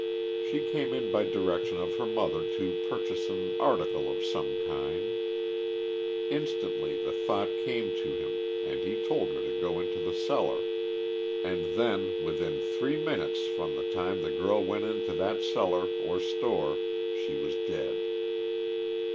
She came in by direction of her mother to purchase an article of some kind. Instantly the thought came to him and he told her to go into the cellar, and then within three minutes from the time the girl went into that cellar, or store, she was dead